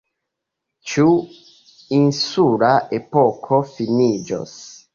Ĉu insula epoko finiĝos?